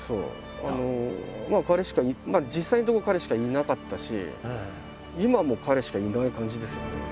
まあ彼しか実際のところ彼しかいなかったし今も彼しかいない感じですよね。